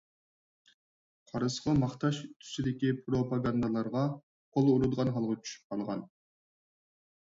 قارىسىغا ماختاش تۈسىدىكى پروپاگاندالارغا قول ئۇرىدىغان ھالغا چۈشۈپ قالغان.